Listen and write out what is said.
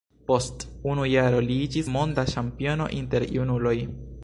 Post unu jaro li iĝis monda ĉampiono inter junuloj.